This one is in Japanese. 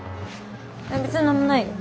別に何もないよ。